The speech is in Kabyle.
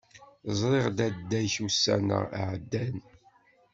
Ẓriɣ dadda-k ussan-a iεeddan.